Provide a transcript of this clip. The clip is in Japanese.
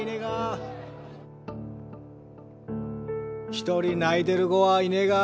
一人泣いてる子はいねが。